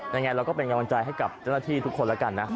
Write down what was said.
ยังไงเราก็เป็นกำลังใจให้กับเจ้าหน้าที่ทุกคนแล้วกันนะ